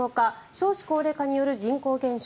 少子高齢化による人口減少